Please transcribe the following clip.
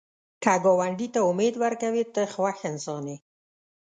که ګاونډي ته امید ورکوې، ته خوښ انسان یې